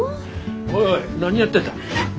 おいおい何やってんだ？